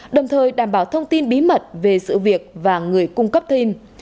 đồng thời đảm bảo thông tin bí mật về sự việc và người cung cấp thêm